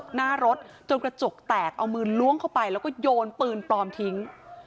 หน้ารถจนกระจกแตกเอามือล้วงเข้าไปแล้วก็โยนปืนปลอมทิ้ง